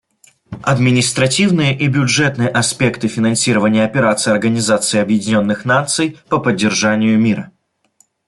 Административные и бюджетные аспекты финансирования операций Организации Объединенных Наций по поддержанию мира.